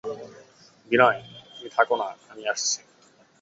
বিনয় তুমি থাকো-না– আমি আসছি।